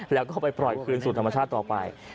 แล้วก็ไปปล่อยคืนสู่ธรรมชาติต่อไป